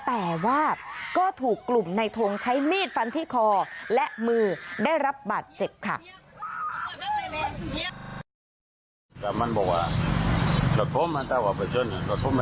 แต่ว่าก็ถูกกลุ่มในทงใช้มีดฟันที่คอและมือได้รับบาดเจ็บค่ะ